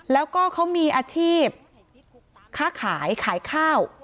แล้วก็เขามีอาชีพค้าขายขายข้าว